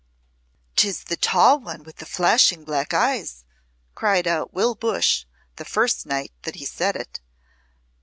"Tis the tall one with the flashing black eyes," cried out Will Bush the first night that he said it.